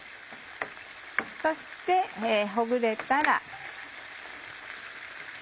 そしてほぐれたら。